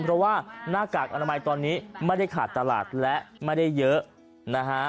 เพราะว่าหน้ากากอนามัยตอนนี้ไม่ได้ขาดตลาดและไม่ได้เยอะนะฮะ